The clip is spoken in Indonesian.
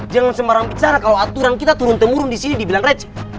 jangan sembarang bicara kalau aturan kita turun temurun disini dibilang retch